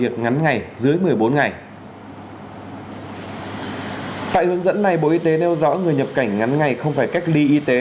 tại hướng dẫn này bộ y tế nêu rõ người nhập cảnh ngắn ngày không phải cách ly y tế